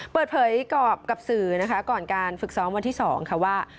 เปิดเผยกับสื่อนะคะก่อนการฝึกซ้อมวันที่๒ค่ะว่า